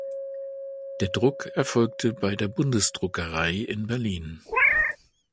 Der Druck erfolgte bei der Bundesdruckerei in Berlin.